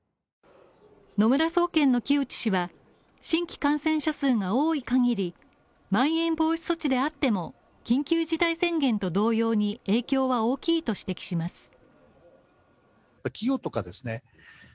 野村総研の木内氏は、新規感染者数が多い限りまん延防止措置であっても緊急事態宣言と同様に、影響は大きいと指摘します。